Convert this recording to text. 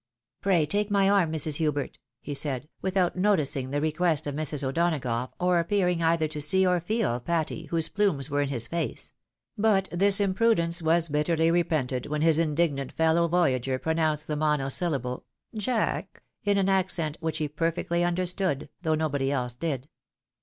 " Pray take my arm, Mrs. Hubert," he said, without noticing the request of Mrs. O'Donagough, or appearing either to see or feel Patty, whose plumes were in his face — ^but this imprudence was bitterly repented when his indig nant fellow voyager pronounced the monosyllable " Jack ?" in an accent which he perfectly understood, though nobody else did.